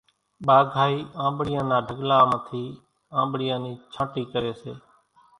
ٻاگھائِي آنٻڙِيان نا ڍڳلا مان ٿِي آنٻڙِيان نِي ڇانٽِي ڪريَ سي۔